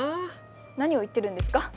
何を言ってるんですか？